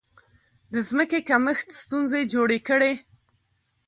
د ځمکې کمښت ستونزې جوړې کړې.